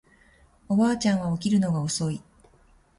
おばあちゃんは起きるのが遅い